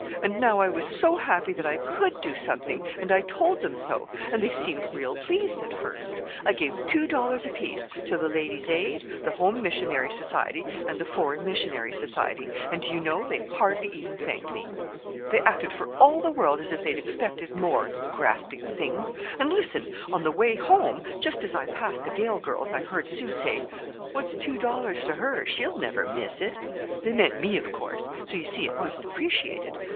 And now I was so happy that I could do something, and I told them so; and they seemed real pleased at first. I gave two dollars apiece to the Ladies' Aid, the Home Missionary Society, and the Foreign Missionary Society—and, do you know? they hardly even thanked me! They acted for all the world as if they expected more—the grasping things! And, listen! On the way home, just as I passed the Gale girls' I heard Sue say: 'What's two dollars to her? She'll never miss it.' They meant me, of course. So you see it wasn't appreciated.